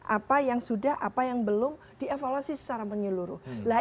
apa yang sudah apa yang belum dievaluasi secara menyeluruh